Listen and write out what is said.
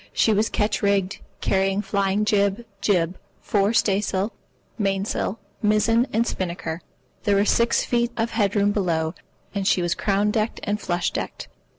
She was ketch rigged, carrying flying jib, jib, fore staysail, main sail, mizzen, and spinnaker. There were six feet of head room below, and she was crown decked and flush decked.